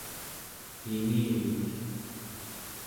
inivik